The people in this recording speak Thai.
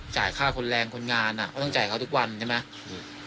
จ่ายค่าคนแรงคนงานอ่ะก็ต้องจ่ายเขาทุกวันใช่ไหม